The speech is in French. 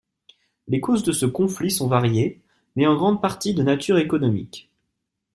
Les causes de ce conflit sont variées, mais en grande partie de nature économique.